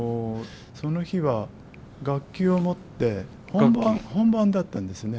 その日は楽器を持って本番だったんですね。